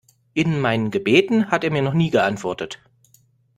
In meinen Gebeten hat er mir noch nie geantwortet.